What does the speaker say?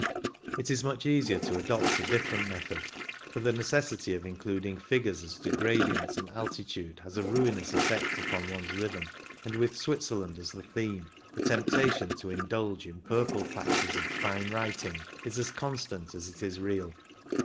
It is much easier to adopt a different method, for the necessity of including figures as to gradients and alti tude has a ruinous effect upon one's rhythm, and with Switzerland as the theme the temptation to indulge in purple patches of " fine writing " is as constant as it is real.